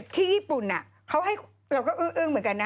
ที่ญี่ปุ่นน่ะเขาให้เราก็เอวเหมือนกันนะ